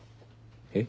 えっ？